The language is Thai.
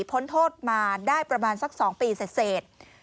พ้นโทษมาได้ประมาณสัก๒ปีเสร็จ